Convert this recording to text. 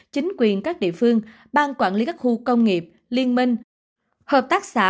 chính quyền các địa phương ban quản lý các khu công nghiệp liên minh hợp tác xã